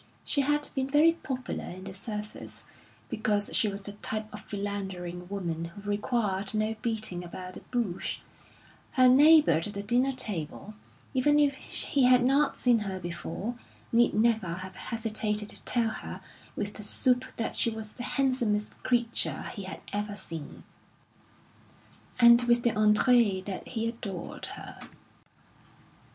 She had been very popular in the service, because she was the type of philandering woman who required no beating about the bush; her neighbour at the dinner table, even if he had not seen her before, need never have hesitated to tell her with the soup that she was the handsomest creature he had ever seen, and with the entrée that he adored her.